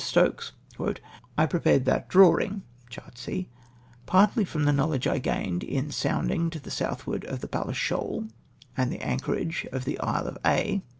Stokes, — "I prepared that drawinrj (Chart C), partly from the knowledge I gained in sounding to the south ward of the Palles Shoal, and the anchorage of the Isle of Aix.